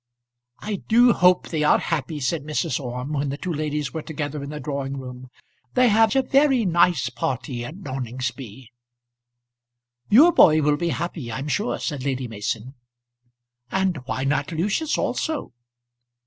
"I do hope they are happy," said Mrs. Orme, when the two ladies were together in the drawing room. "They have a very nice party at Noningsby." "Your boy will be happy, I'm sure," said Lady Mason. "And why not Lucius also?"